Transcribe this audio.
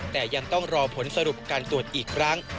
แต่ยังต้องรอผลสรุปการตรวจอีกครั้ง